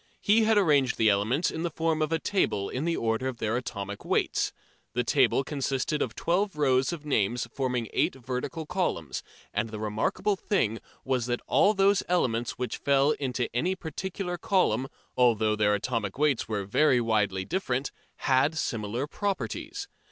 He had arranged the elements in the form of a table in the order of their atomic weights. The table consisted of twelve rows of names forming eight vertical columns, and the remarkable thing was that all those elements which fell into any particular column, although their atomic weights were very widely different, had similar properties.